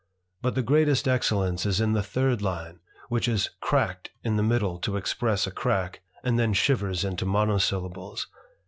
But the greatest excellence is in the third line, which is cracl^d in the middle to express a crack, and then shivers into monosyllables.